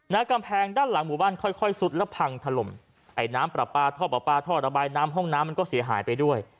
กำแพงด้านหลังหมู่บ้านค่อยค่อยซุดแล้วพังถล่มไอ้น้ำปลาปลาท่อปลาปลาท่อระบายน้ำห้องน้ำมันก็เสียหายไปด้วย